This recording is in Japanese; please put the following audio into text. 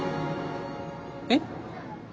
えっ？